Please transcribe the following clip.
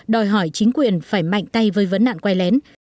đòi hỏi chính quyền phải mạnh tay với vấn nạn quay lén